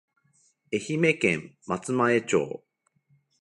愛媛県松前町